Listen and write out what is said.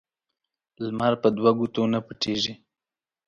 لمر په دوه ګوتو نه پټیږي